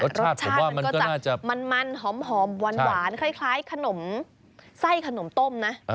รสชาติมันก็จะมันหอมหวานคล้ายขนมไส้ขนมต้มนะ